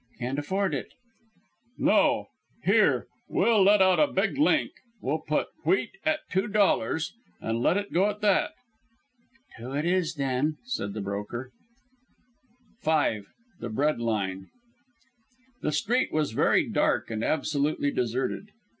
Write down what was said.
Can't afford it." "No. Here; we'll let out a big link; we'll put wheat at two dollars, and let it go at that." "Two it is, then," said the broker. V. THE BREAD LINE The street was very dark and absolutely deserted.